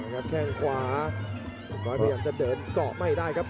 แค่งขวาคุณน้อยพยายามจะเดินเกาะไม่ได้ครับ